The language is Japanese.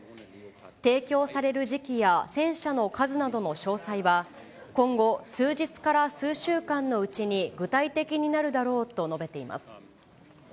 提供される時期や戦車の数などの詳細は、今後、数日から数週間のうちに具体的になるだろうと述べています。